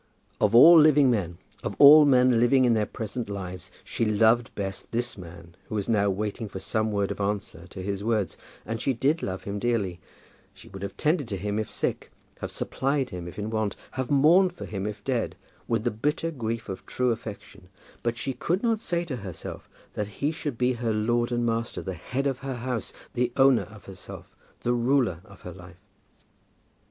Of all living men, of all men living in their present lives, she loved best this man who was now waiting for some word of answer to his words, and she did love him dearly; she would have tended him if sick, have supplied him if in want, have mourned for him if dead, with the bitter grief of true affection; but she could not say to herself that he should be her lord and master, the head of her house, the owner of herself, the ruler of her life.